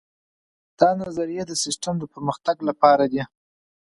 دا نظریې د سیسټم د پرمختګ لپاره دي.